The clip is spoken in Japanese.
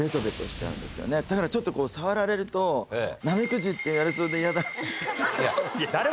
だからちょっと触られると。って言われそうで嫌だなって。